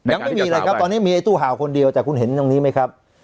ยังไม่มีอะไรครับตอนนี้มีไอ้ตู้ห่าวคนเดียวแต่คุณเห็นตรงนี้ไหมครับ